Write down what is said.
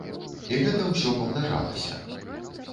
І гэта ўсё памнажалася.